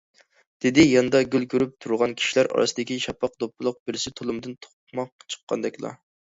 - دېدى ياندا گۈل كۆرۈپ تۇرغان كىشىلەر ئارىسىدىكى شاپاق دوپپىلىق بىرسى تۇلۇمدىن توقماق چىققاندەكلا.